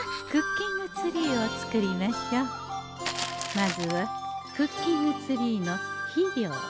まずはクッキングツリーの肥料